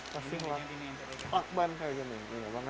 kasih mula cepat ban kayak gini